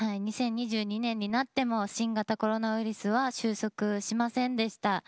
２０２２年になっても新型コロナウイルスは収束しませんでした。